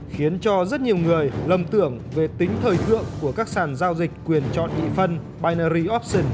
khiến cho rất nhiều người lầm tưởng về tính thời tượng của các sản giao dịch quyền chọn nghị phân binary option